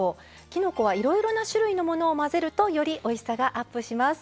きのこはいろいろな種類のものを混ぜるとよりおいしさがアップします。